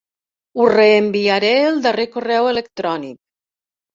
Us reenviaré el darrer correu electrònic.